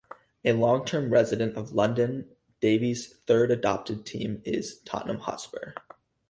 A long-term resident of London, Davies' third adopted team is Tottenham Hotspur.